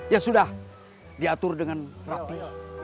ya sudah diatur dengan rapi